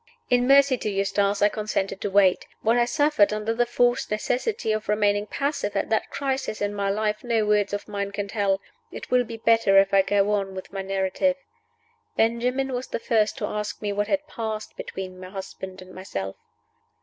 In mercy to Eustace I consented to wait. What I suffered under the forced necessity for remaining passive at that crisis in my life no words of mine can tell. It will be better if I go on with my narrative. Benjamin was the first to ask me what had passed between my husband and myself.